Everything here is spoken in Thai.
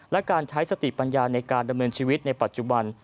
และการใช้สติปัญญาในการดำเนินชีวิตในปัจจุบัน